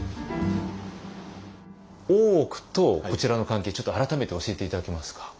大奥とこちらの関係ちょっと改めて教えて頂けますか？